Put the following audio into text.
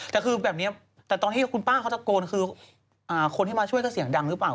แต่คือแบบนี้แต่ตอนที่คุณป้าเขาตะโกนคือคนที่มาช่วยก็เสียงดังหรือเปล่า